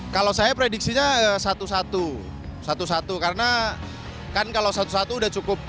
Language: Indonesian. kalau saya prediksinya satu satu satu satu karena kan kalau satu satu sudah cukup